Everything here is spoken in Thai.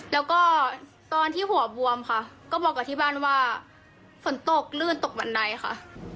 แล้วก็ตอนที่หัวบวมค่ะก็บอกกับที่บ้านว่าฝนตกลื่นตกบันไดค่ะ